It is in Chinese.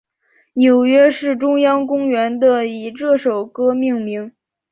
纽约市中央公园的以这首歌命名。